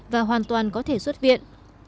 và hoàn toàn có thể xuất viện